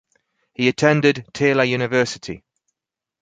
He attended Taylor University.